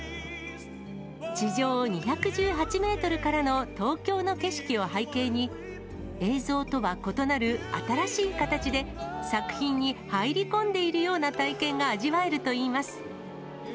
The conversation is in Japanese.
地上２１８メートルからの東京の景色を背景に、映像とは異なる新しい形で、作品に入り込んでいるような体験が味わえるといいます。